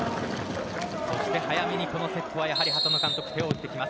早めにこのセット畑野監督が手を打ってきます。